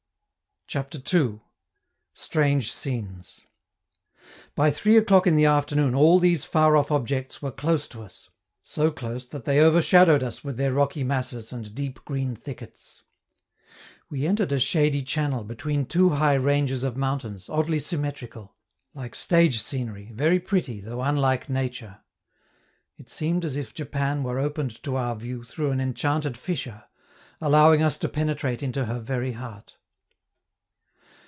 CHAPTER II. STRANGE SCENES By three o'clock in the afternoon all these far off objects were close to us, so close that they overshadowed us with their rocky masses and deep green thickets. We entered a shady channel between two high ranges of mountains, oddly symmetrical like stage scenery, very pretty, though unlike nature. It seemed as if Japan were opened to our view through an enchanted fissure, allowing us to penetrate into her very heart.